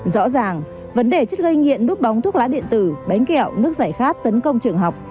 rõ ràng vấn đề chất gây nghiện núp bóng thuốc lá điện tử bánh kẹo nước giải khát tấn công trường học